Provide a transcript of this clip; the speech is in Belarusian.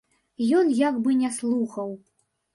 Ён як бы не слухаў.